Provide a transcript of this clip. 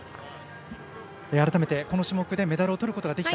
改めて、この種目でメダルをとることができた。